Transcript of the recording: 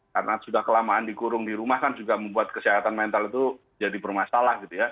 karena sudah kelamaan dikurung di rumah kan juga membuat kesehatan mental itu jadi bermasalah gitu ya